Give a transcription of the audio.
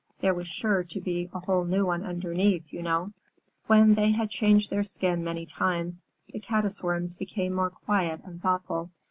There was sure to be a whole new one underneath, you know. When they had changed their skin many times, the Caddis Worms became more quiet and thoughtful.